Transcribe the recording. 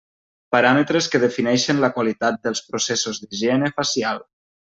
Paràmetres que defineixen la qualitat dels processos d'higiene facial.